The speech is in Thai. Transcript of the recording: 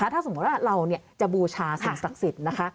ถ้าสมมุติว่าเราจะบูชาสิ่งศักดิ์สิทธิ์นะคะ